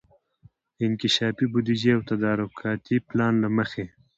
د انکشافي بودیجې او تدارکاتي پلان له مخي